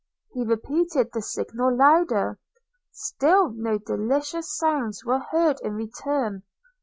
– he repeated the signal louder; still no delicious sounds were heard in return!